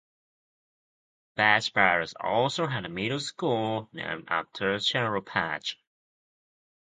Patch Barracks also has a middle school named after General Patch.